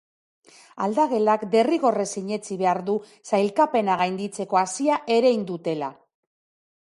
Aldagelak derrigorrez sinetsi behar du sailkapena gainditzeko hazia erein dutela.